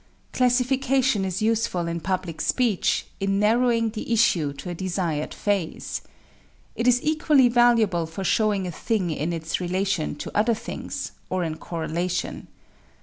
Classification is useful in public speech in narrowing the issue to a desired phase. It is equally valuable for showing a thing in its relation to other things, or in correlation.